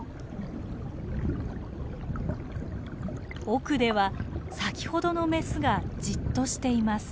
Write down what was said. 奥では先ほどのメスがじっとしています。